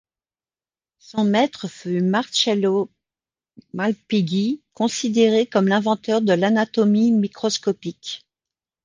Son maitre fut Marcello Malpighi, considéré comme l'inventeur de l'anatomie microscopique.